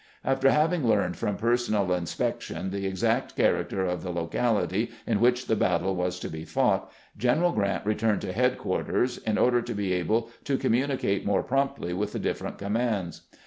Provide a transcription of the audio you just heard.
After having learned from personal inspection the exact character of the locality in which the battle was to be fought, General Grant returned to headquarters, in order to be able to communicate more promptly with the different commands.